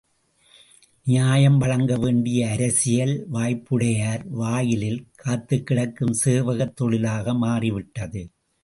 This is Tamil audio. நியாயம் வழங்க வேண்டிய அரசியல், வாய்ப்புடையார் வாயிலில் காத்துக்கிடக்கும் சேவகத் தொழிலாக மாறிவிட்டது.